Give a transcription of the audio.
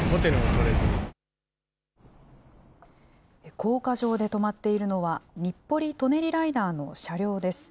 高架上で止まっているのは、日暮里・舎人ライナーの車両です。